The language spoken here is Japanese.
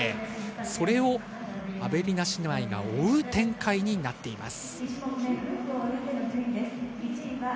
それをアベリナ姉妹が追う展開になっています。